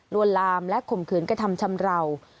วนลามและข่มขืนกระทำชำราว